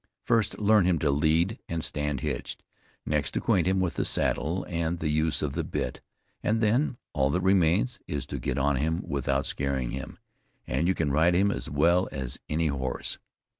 First learn him to lead and stand hitched, next acquaint him with the saddle, and the use of the bit; and then all that remains, is to get on him without scaring him, and you can ride him as well as any horse.